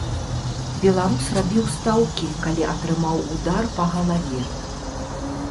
Беларус рабіў стаўкі, калі атрымаў удар па галаве.